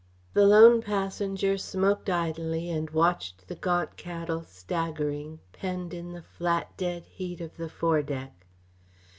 The lone passenger smoked idly and watched the gaunt cattle staggering, penned in the flat, dead heat of the foredeck.